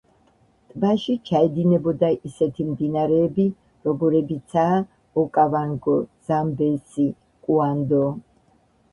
ტბაში ჩაედინებოდა ისეთი მდინარეები, როგორებიცაა: ოკავანგო, ზამბეზი, კუანდო.